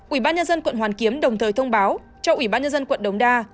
ủy ban nhân dân quận hoàn kiếm đồng thời thông báo cho ủy ban nhân dân quận đống đa